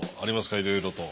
いろいろと。